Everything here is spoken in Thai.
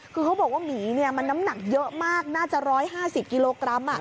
คือเขาบอกว่าหมีมันน้ำหนักเยอะมากน่าจะ๑๕๐กิโลกรัม